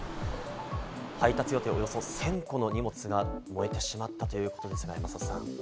配達予定のおよそ１０００個の荷物が燃えてしまったということですが、山里さん。